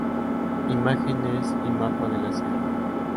Imágenes y mapa de la sierra